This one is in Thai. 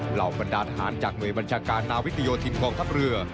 เหล่าบรรดาทหารจากหน่วยบัญชาการนาวิกโยธินกองทัพเรือ